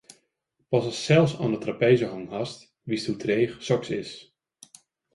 Pas ast sels oan 'e trapeze hongen hast, witst hoe dreech soks is.